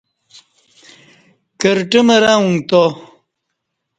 کرٹہ مرں اُݩگتا